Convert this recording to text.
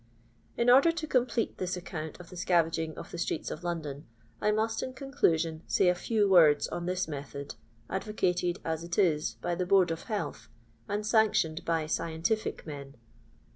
In order to complete this account of the sea vaging of the streets of London, I must, in con clusion, say a few words on this method, advocated as it is by the Board of Health, and sanctioned by scientific men.